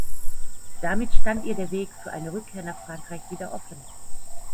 Damit stand ihr der Weg für eine Rückkehr nach Frankreich wieder offen.